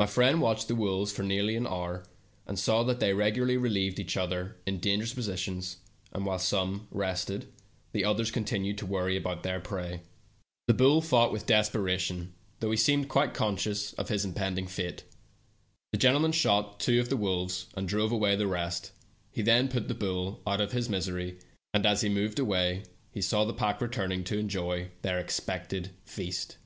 My friend watched the wolves for nearly an hour, and saw that they regularly relieved each other in dangerous positions, and while some rested, the others continued to worry their prey. The bull 154 TttU TALKING HANDKERCHIEP. fought with desperation, though he seemed quite conscious of his impending fate. The gentleman shot two of the wolves, and drove away the rest ; he yien put the bull out of his misery, and as he mo.t^ed away he saw the pack returning to enjoy their expected feast.